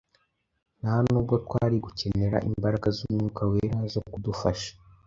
nta n’ubwo twari gukenera imbaraga z’Umwuka Wera zo kudufasha.